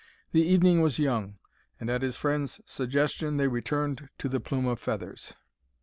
The evening was young, and, at his friend's suggestion, they returned to the Plume of Feathers.